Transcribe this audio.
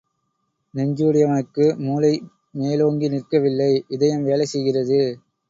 நெஞ்சுடையவனுக்கு மூளை மேலோங்கி நிற்கவில்லை இதயம் வேலை செய்கிறது.